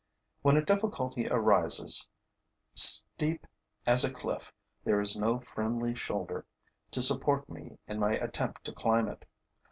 When a difficulty arises, steep as a cliff, there is no friendly shoulder to support me in my attempt to climb it.